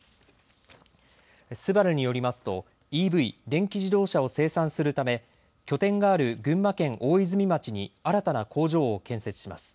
ＳＵＢＡＲＵによりますとＥＶ・電気自動車を生産するため拠点がある群馬県大泉町に新たな工場を建設します。